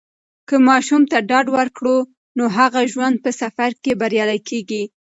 که ماشوم ته ډاډ ورکړو، نو هغه د ژوند په سفر کې بریالی کیږي.